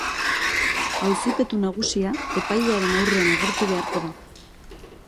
Auzipetu nagusia epailearen aurrean agertu beharko da.